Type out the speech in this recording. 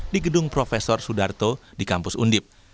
di gedung prof sudarto di kampus undip